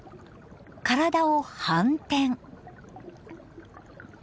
体を反転。